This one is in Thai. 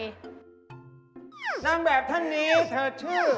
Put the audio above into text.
นางแบบท่านนี้เธอชื่อ